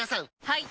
はい！